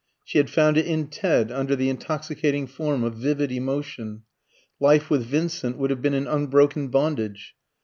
She had found it in Ted under the intoxicating form of vivid emotion. Life with Vincent would have been an unbroken bondage.